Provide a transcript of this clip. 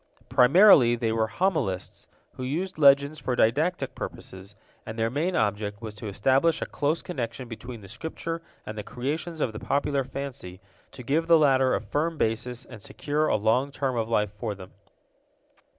Primarily they were homilists, who used legends for didactic purposes, and their main object was to establish a close connection between the Scripture and the creations of the popular fancy, to give the latter a firm basis and secure a long term of life for them.